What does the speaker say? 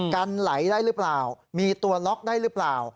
กันไหลได้หรือเปล่ามีตัวล็อกได้หรือเปล่า